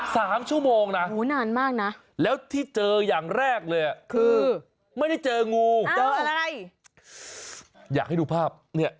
สามชั่วโมงนะแล้วที่เจออย่างแรกเลยไม่ได้เจองูอยากให้ดูภาพ